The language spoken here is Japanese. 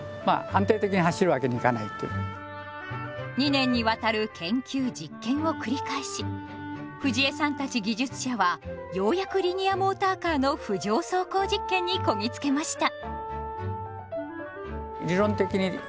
２年にわたる研究・実験を繰り返し藤江さんたち技術者はようやくリニアモーターカーの浮上走行実験にこぎつけました。